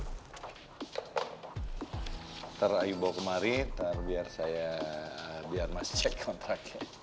ntar ayu bawa kemari ntar biar saya biar mas cek kontraknya